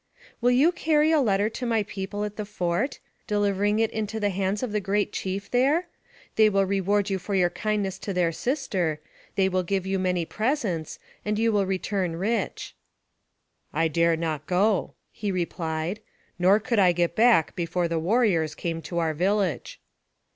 "Will you carry a letter to my people at the fort, delivering it into the hands of the great chief there ? They will reward you for your kindness to their sister; 200 NARRATIVE OF CAPTIVITY they will give you many presents, and you will return rich." " I dare not go," he replied. " Nor could I get back before the warriors came to our village."